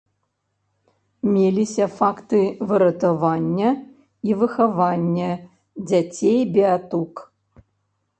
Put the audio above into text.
Меліся факты выратавання і выхавання дзяцей-беатук.